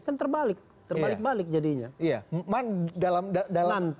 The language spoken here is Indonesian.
kan terbalik terbalik balik jadinya